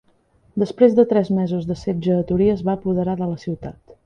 Després de tres mesos de setge a Torí, es va apoderar de la ciutat.